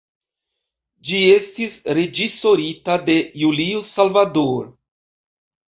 Ĝi estis reĝisorita de Julio Salvador.